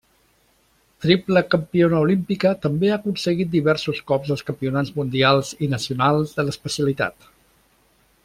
Triple campiona olímpica, també ha aconseguit diversos cops els campionats mundials i nacionals de l'especialitat.